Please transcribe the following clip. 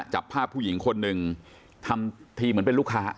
จับภาพผู้หญิงคนหนึ่งทำทีเหมือนเป็นลูกค้า